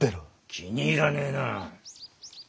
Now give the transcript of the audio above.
気に入らねえな。